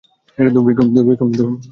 ধুর, বিক্রম!